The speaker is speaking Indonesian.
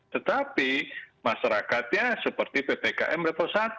tetapi masyarakatnya seperti ppkm level satu